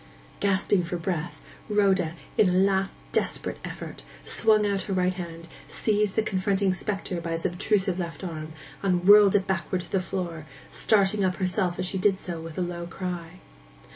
Gasping for breath, Rhoda, in a last desperate effort, swung out her right hand, seized the confronting spectre by its obtrusive left arm, and whirled it backward to the floor, starting up herself as she did so with a low cry.